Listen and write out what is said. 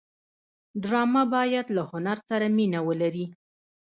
ډرامه باید له هنر سره مینه ولري